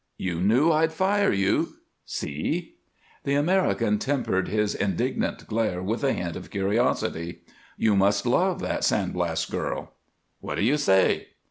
"You knew I'd fire you!" "Si!" The American tempered his indignant glare with a hint of curiosity. "You must love that San Blas girl." "What do you say?"